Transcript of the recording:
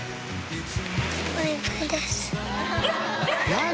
何？